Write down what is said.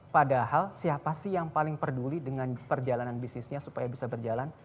padahal siapa sih yang paling peduli dengan perjalanan bisnisnya supaya bisa berjalan